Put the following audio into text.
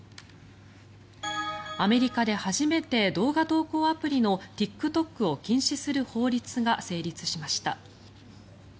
アメリカで初めて動画投稿アプリのＴｉｋＴｏｋを禁止する法律が成立しました。